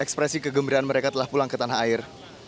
ekspresi kegembiraan mereka telah pulang ke tanah air